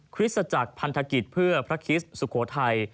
คริสตจักรพันธกิจเพื่อพระคริสต์สุโขทัย